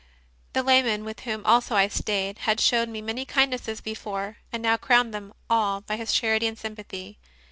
The layman, with whom also I stayed, had showed me many kindnesses before, and now crowned them all by his charity and sympathy.